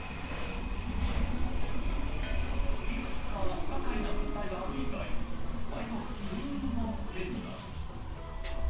いくつか不可解な物体がある以外わりと普通の店内